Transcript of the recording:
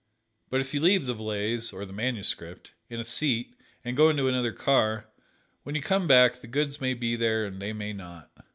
But if you leave the valise (or the manuscript) in a seat and go into another car, when you come back the goods may be there and they may not.